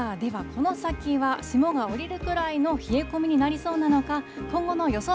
ではこの先は霜が降りるくらいの冷え込みになりそうなのか、今後の予想